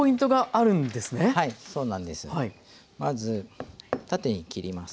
まず縦に切ります。